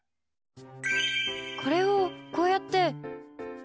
これを、こうやって。